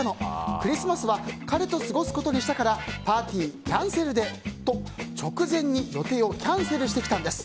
クリスマスは彼と過ごすことにしたからパーティー、キャンセルでと直前に予定をキャンセルしてきたんです。